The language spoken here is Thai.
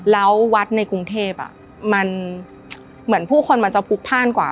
แล้ววัดในกรุงเทพมันเหมือนผู้คนมันจะพลุกพ่านกว่า